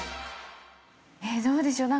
えっどうでしょう？